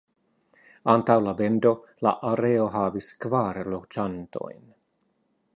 Antaŭ la vendo la areo havis kvar loĝantojn.